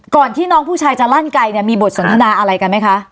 ที่น้องผู้ชายจะลั่นไกลเนี่ยมีบทสนทนาอะไรกันไหมคะ